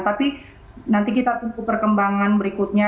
tapi nanti kita tunggu perkembangan berikutnya